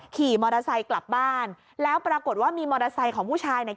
ขี่มอเตอร์ไซค์กลับบ้านแล้วปรากฏว่ามีมอเตอร์ไซค์ของผู้ชายเนี่ย